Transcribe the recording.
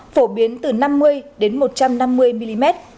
phổ biến từ năm mươi đến một trăm năm mươi mm